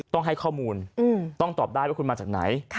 ต้องให้ข้อมูลต้องตอบได้ว่าคุณมาจากไหน